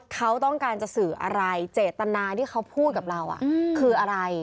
เขาต้องการจะสื่ออะไรเจตนาที่เขาพูดกับเราคืออะไร